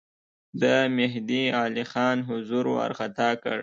د مهدی علي خان حضور وارخطا کړ.